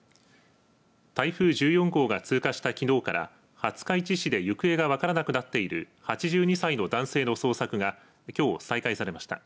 台風１４号が通過したきのうから廿日市市で行方が分からなくなっている８２歳の男性の捜索がきょう、再開されました。